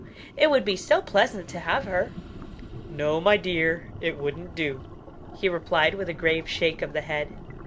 it would be so pleasant to have her." "No, my dear, it wouldn't do," he replied with a grave shake of the head.